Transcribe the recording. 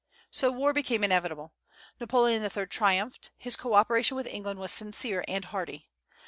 So war became inevitable. Napoleon III. triumphed. His co operation with England was sincere and hearty.